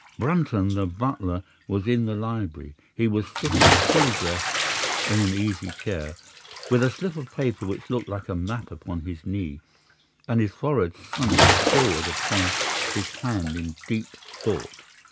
"'Brunton, the butler, was in the library. He was sitting, fully dressed, in an easy chair, with a slip of paper which looked like a map upon his knee, and his forehead sunk forward upon his hand in deep thought.